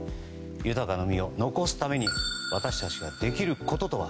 豊かな海を残すために私たちができることとは。